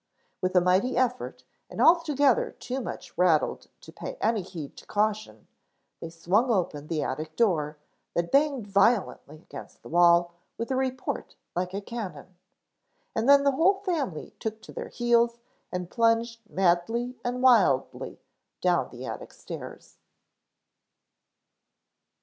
With a mighty effort, and altogether too much rattled to pay any heed to caution, they swung open the attic door, that banged violently against the wall with a report like a cannon. And then the whole family took to their heels and plunged madly and wildly down the attic stairs.